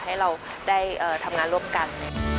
ให้เราได้ทำงานร่วมกัน